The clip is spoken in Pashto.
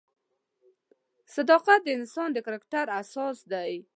صداقت د انسان د کرکټر اساس دی.